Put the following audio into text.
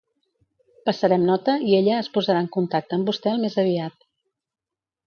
Passarem nota i ella es posarà en contacte amb vostè al més aviat.